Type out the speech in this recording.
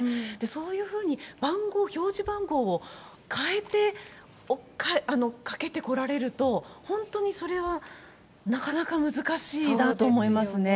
そういうふうに番号、表示番号を変えて、かけてこられると、本当にそれはなかなか難しいなと思いますよね。